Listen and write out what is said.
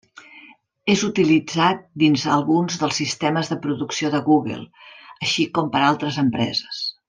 És utilitzat dins alguns dels sistemes de producció de Google, així com per altres empreses.